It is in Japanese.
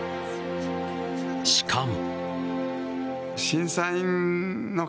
しかも。